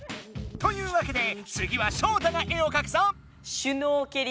というわけでつぎはショウタが絵をかくぞ。